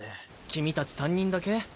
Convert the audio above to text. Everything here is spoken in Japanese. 君たち３人だけ？